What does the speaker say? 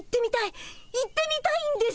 行ってみたいんです！